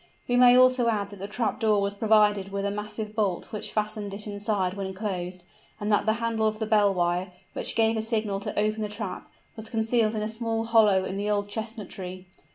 We may also add that the trap door was provided with a massive bolt which fastened it inside when closed, and that the handle of the bell wire, which gave the signal to open the trap, was concealed in a small hollow in the old chestnut tree.